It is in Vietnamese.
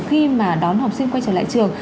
khi mà đón học sinh quay trở lại trường